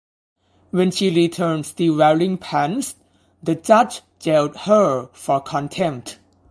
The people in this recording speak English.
When she returned still wearing pants the judge jailed her for contempt.